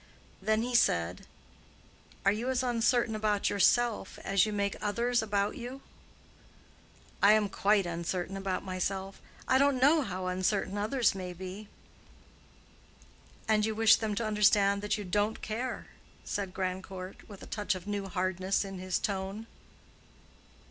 Then he said, "Are you as uncertain about yourself as you make others about you?" "I am quite uncertain about myself; I don't know how uncertain others may be." "And you wish them to understand that you don't care?" said Grandcourt, with a touch of new hardness in his tone.